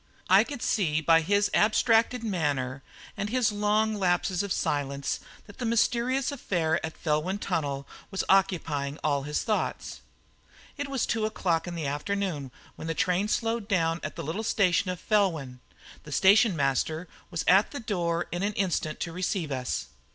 I could see by his abstracted manner and his long lapses of silence that the mysterious affair at Felwyn Tunnel was occupying all his thoughts. It was two o'clock in the afternoon when the train slowed down at the little station of Felwyn. The station master was at the door in an instant to receive us.